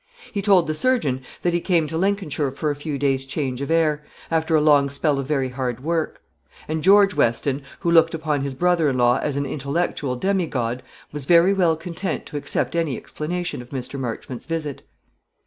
He told the surgeon that he came to Lincolnshire for a few days' change of air, after a long spell of very hard work; and George Weston, who looked upon his brother in law as an intellectual demigod, was very well content to accept any explanation of Mr. Marchmont's visit.